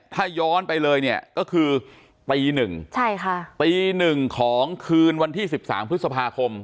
ถ้าย้อนไปเลยเนี่ยก็คือตีหนึ่งใช่ค่ะตีหนึ่งของคืนวันที่๑๓พฤษภาคม